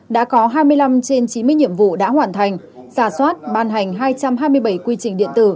đã có hai mươi năm trên chín mươi nhiệm vụ đã hoàn thành giả soát ban hành hai trăm hai mươi bảy quy trình điện tử